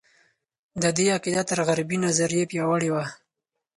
د دې عقیده تر غربي نظریې پیاوړې وه.